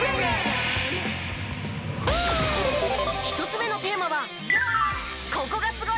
１つ目のテーマは。